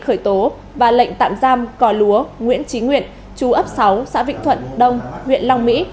khởi tố và lệnh tạm giam cò lúa nguyễn trí nguyện chú ấp sáu xã vĩnh thuận đông huyện long mỹ